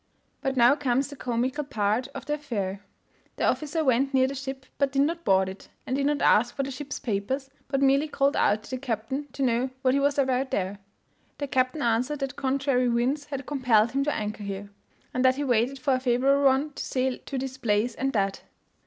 But now comes the comical part of the affair. The officer went near the ship, but did not board it, and did not ask for the ship's papers, but merely called out to the captain to know what he was about there? The captain answered that contrary winds had compelled him to anchor there, and that he waited for a favourable one to sail to this place and that.